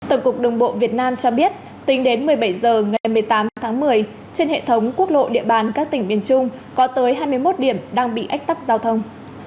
tổng cục đồng bộ việt nam cho biết tính đến một mươi bảy h ngày một mươi tám tháng một mươi trên hệ thống quốc lộ địa bàn các tỉnh miền trung có tới hai mươi một điểm đang bị ách tắc giao thông